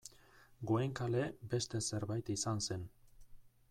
Goenkale beste zerbait izan zen.